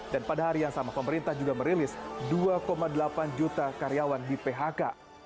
dan pada hari yang sama pemerintah juga merilis dua delapan juta karyawan di phk